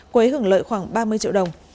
quế hưởng lợi khoảng ba mươi triệu đồng